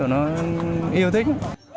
nó yêu thích